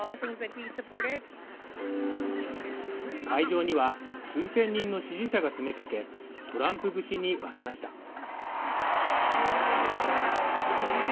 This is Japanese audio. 会場には数千人の支持者が詰めかけ、トランプ節に沸きました。